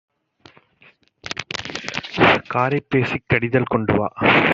காரைப் பேசிக் கடிதில் கொண்டுவா.